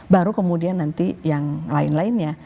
baru kemudian nanti yang lain lainnya